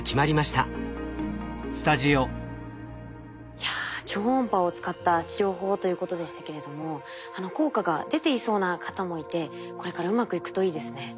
いや超音波を使った治療法ということでしたけれども効果が出ていそうな方もいてこれからうまくいくといいですね。